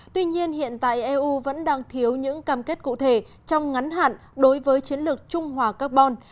tuy nhiên hiện tại eu vẫn đang thiếu những cam kết cụ thể trong ngắn hạn đối với chiến lược trung hòa carbon